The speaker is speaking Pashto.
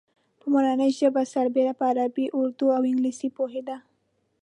په مورنۍ ژبه سربېره په عربي، اردو او انګلیسي پوهېده.